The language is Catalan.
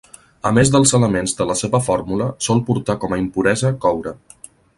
A més dels elements de la seva fórmula, sol portar com a impuresa coure.